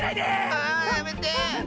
あやめて！